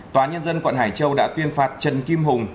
tòa nhân dân quận hải châu đã tuyên phạt trần kim hùng